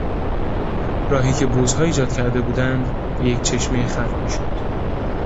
راهی که بزها ایجاد کرده بودند به یک چشمه ختم میشد.